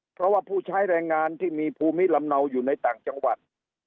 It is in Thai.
เพราะว่าผู้ใช้แรงงานที่มีภูมิลำเนาอยู่ในต่างจังหวัด